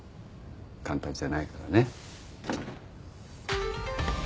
簡単じゃないからね。